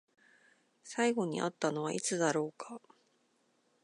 最後に会ったのはいつだろうか？